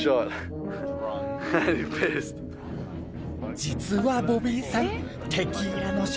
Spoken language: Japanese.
実はボビーさん。